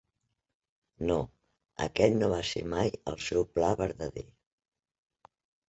No, aquest no va ser mai el seu pla verdader.